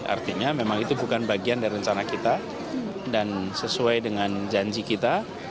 artinya memang itu bukan bagian dari rencana kita dan sesuai dengan janji kita